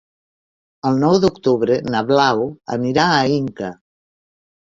El nou d'octubre na Blau anirà a Inca.